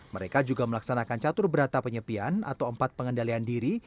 mereka juga melaksanakan catur berata penyepian atau empat pengendalian diri